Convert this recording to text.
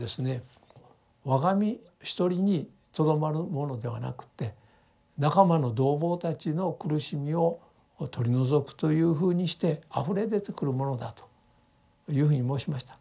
我が身一人にとどまるものではなくて仲間の同朋たちの苦しみを取り除くというふうにしてあふれ出てくるものだというふうに申しました。